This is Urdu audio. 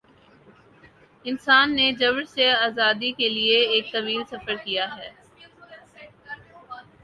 انسان نے جبر سے آزادی کے لیے ایک طویل سفر کیا ہے۔